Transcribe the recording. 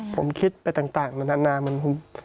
ผมคิดไปต่างนาน